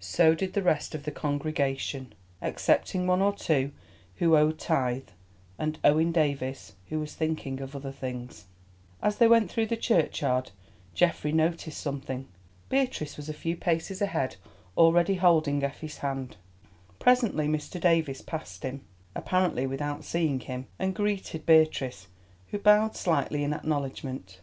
So did the rest of the congregation, excepting one or two who owed tithe, and Owen Davies, who was thinking of other things. As they went through the churchyard, Geoffrey noticed something. Beatrice was a few paces ahead holding Effie's hand. Presently Mr. Davies passed him, apparently without seeing him, and greeted Beatrice, who bowed slightly in acknowledgment.